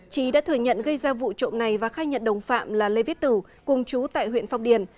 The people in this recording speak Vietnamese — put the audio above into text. trí đã thừa nhận gây ra vụ trộm này và khai nhận đồng phạm là lê viết tử cùng chú tại huyện phong điền